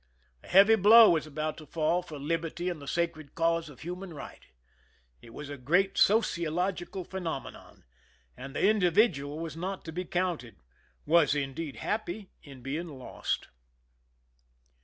A heavy blow was about to fall for liberty and the sacred cause of human right. It was a great sociological phenomenon, and the individuail was not to be counted— was, indeed, happy in being lost.